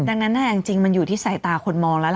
ดังนั้นจริงมันอยู่ที่สายตาคนมองแล้ว